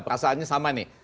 perasaannya sama nih